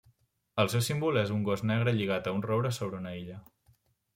El seu símbol és un gos negre lligat a un roure sobre una illa.